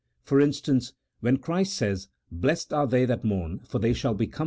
For instance, when Christ says, "Blessed are they that mourn, for they shall be com CHAP.